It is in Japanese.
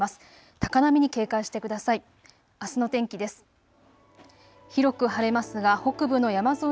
高波に警戒してください。